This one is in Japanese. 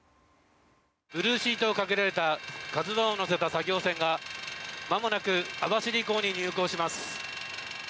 ブルーシートをかけられた「ＫＡＺＵ１」を載せた作業船がまもなく網走港に入港します。